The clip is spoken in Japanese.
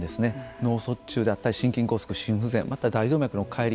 脳卒中だったり心筋梗塞、心不全また大動脈の解離